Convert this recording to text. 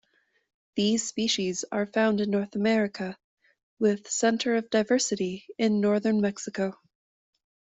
These species are found in North America, with center of diversity in northern Mexico.